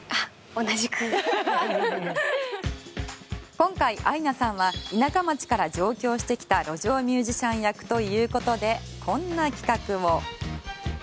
今回、アイナさんは田舎町から上京してきた路上ミュージシャン役ということで、こんな企画を。